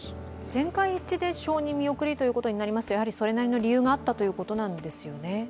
全会一致で承認見送りということになりますと、それなりの理由があったということなんですね？